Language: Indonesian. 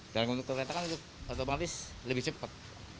dan untuk kereta kan otomatis lebih cepat